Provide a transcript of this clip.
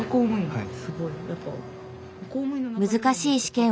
はい。